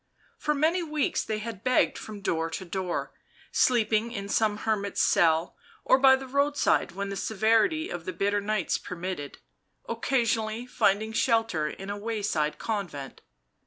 Eor many weeks they had begged from door to door, sleeping in some hermit's cell or by the roadside when the severity of the bitter nights permitted, occasionally finding shelter in a wayside convent.